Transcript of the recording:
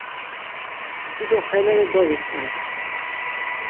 Dido xeleri doviqver.